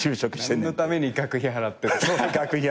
何のために学費払って。